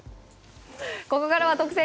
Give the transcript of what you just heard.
ここからは特選！